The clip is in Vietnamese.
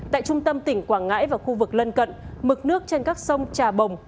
tại trung tâm tỉnh quảng ngãi và khu vực lân cận mực nước trên các sông trà bồng